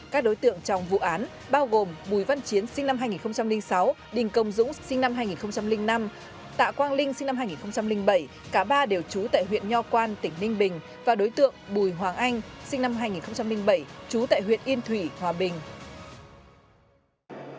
các đối tượng trong vụ án bao gồm bùi văn chiến sinh năm hai nghìn sáu đình công dũng sinh năm hai nghìn năm tạ quang linh sinh năm hai nghìn bảy cả ba đều trú tại huyện nho quan tỉnh ninh bình và đối tượng bùi hoàng anh sinh năm hai nghìn bảy trú tại huyện yên thủy hòa bình